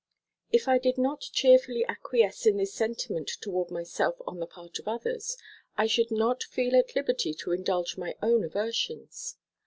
If I did not cheerfully acquiesce in this sentiment toward myself on the part of others, I should not feel at liberty to indulge my own aversions.